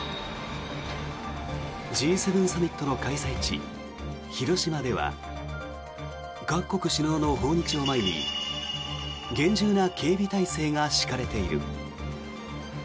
Ｇ７サミットの開催地、広島では各国首脳の訪日を前に厳重な警備体制が敷かれている。